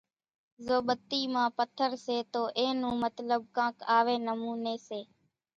زو ٻتي مان پٿر سي تو اين نو مطلٻ ڪانڪ آوي نموني سي،